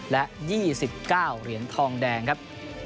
และ๒๙เหรียญทองแดงครับ